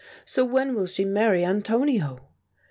So when will she marry Antonio?